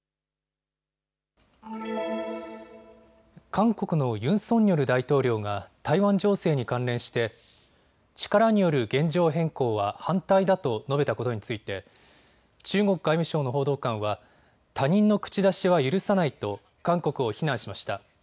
韓国のユン・ソンニョル大統領が台湾情勢に関連して力による現状変更は反対だと述べたことについて中国外務省の報道官は他人の口出しは許さないと韓国を非難しました。